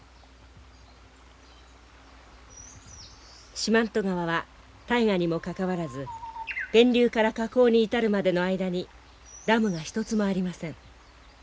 四万十川は大河にもかかわらず源流から河口に至るまでの間にダムが一つもありません。